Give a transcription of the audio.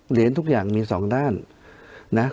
เหรียญทุกอย่างมีสองด้านนะ